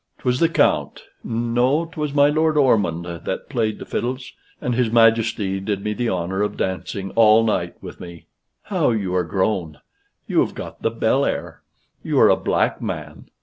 'Twas the Count no, 'twas my Lord Ormond that played the fiddles, and his Majesty did me the honor of dancing all night with me. How you are grown! You have got the bel air. You are a black man.